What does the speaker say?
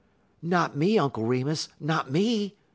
"Not me, Uncle Remus not me!"